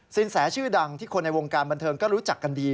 แสชื่อดังที่คนในวงการบันเทิงก็รู้จักกันดี